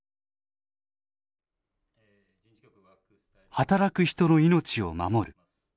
働く人の命を守る。